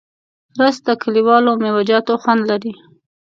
رس د کلیوالو میوهجاتو خوند لري